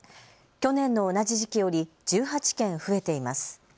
去年の同じ時期より１８件増えています。